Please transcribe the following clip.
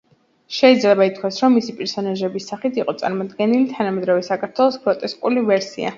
შეიძლება ითქვას, რომ მისი პერსონაჟების სახით წარმოდგენილი იყო თანამედროვე საქართველოს გროტესკული ვერსია.